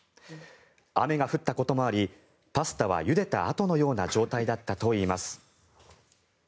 雨が降ったこともありパスタはゆでたあとのような状態だったといいます。